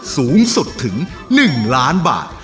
สูงสุดถึง๑ล้านบาท